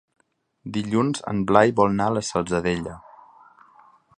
Dilluns en Blai vol anar a la Salzadella.